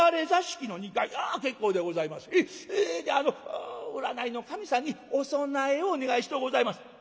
であの占いの神さんにお供えをお願いしとうございます」。